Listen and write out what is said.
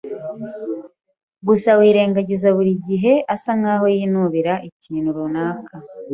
Gusa wirengagize Buri gihe asa nkaho yinubira ikintu runaka.